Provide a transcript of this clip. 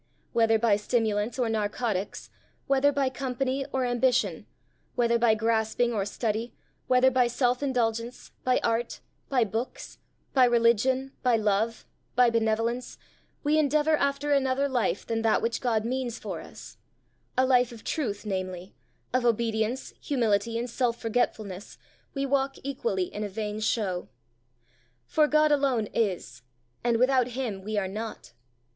Whether by stimulants or narcotics, whether by company or ambition, whether by grasping or study, whether by self indulgence, by art, by books, by religion, by love, by benevolence, we endeavour after another life than that which God means for us a life of truth, namely, of obedience, humility, and self forgetfulness, we walk equally in a vain show. For God alone is, and without him we are not.